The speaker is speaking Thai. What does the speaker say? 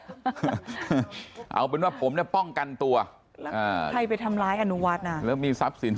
ก้อนตอบเอาเป็นครับผมก็ป้องกันตัวค่ะให้ไปทำร้ายอนุวัฒนธ์นะแล้วมีทรัพย์สิน